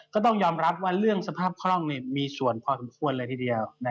ก็ต้องยอมรับว่าเรื่องสภาพคล่องมีส่วนพอสมควรเลยทีเดียว